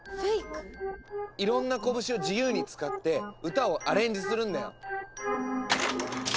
いろんなこぶしを自由に使って歌をアレンジするんだよ。